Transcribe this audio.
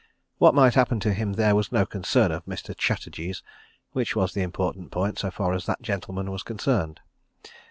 What might happen to him there was no concern of Mr. Chatterji's—which was the important point so far as that gentleman was concerned.